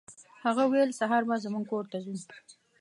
هغه ویل سهار به زموږ کور ته ځو.